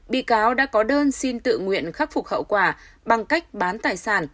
bị cáo đã có đơn xin tự nguyện khắc phục hậu quả bằng cách bán tài sản